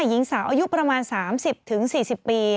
หญิงสาวอายุประมาณ๓๐๔๐ปี